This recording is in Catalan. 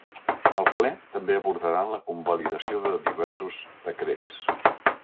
El ple també abordarà la convalidació de diversos decrets.